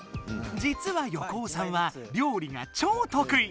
じつは横尾さんは料理がちょうとくい！